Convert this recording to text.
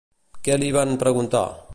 Què li van preguntar?